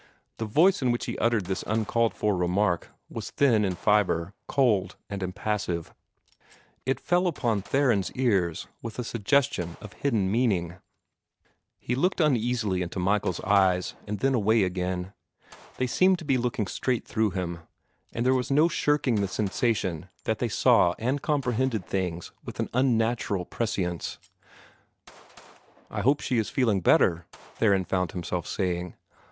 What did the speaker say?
The voice in which he uttered this uncalled for remark was thin in fibre, cold and impassive. It fell upon Theron's ears with a suggestion of hidden meaning. He looked uneasily into Michael's eyes, and then away again. They seemed to be looking straight through him, and there was no shirking the sensation that they saw and comprehended things with an unnatural prescience. "I hope she is feeling better," Theron found himself saying.